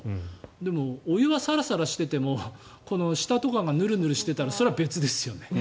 でもお湯はサラサラしてても下とかがヌルヌルしてたらそれは別ですよね。